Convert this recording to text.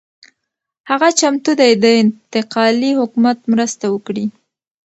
هغه چمتو دی د انتقالي حکومت مرسته وکړي.